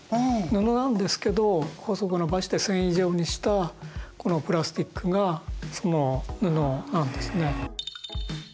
布なんですけど細く伸ばして繊維状にしたこのプラスチックがその布なんですね。